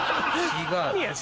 違う。